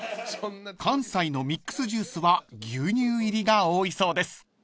［関西のミックスジュースは牛乳入りが多いそうです］